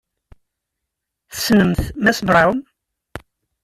Tessnemt Mass Brown?